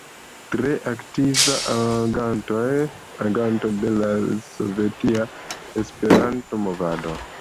Tre aktiva aganto de la Sovetia Esperanto-movado.